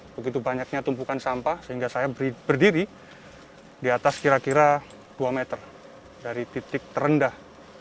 begitu banyaknya tumpukan sampah sehingga saya berdiri di atas kira kira dua meter dari titik terendah